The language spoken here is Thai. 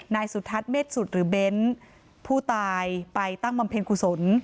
นายสุทัศน์เมฆสุดหรือเบ้นผู้ตายไปตั้งบำเพ็ญกุศล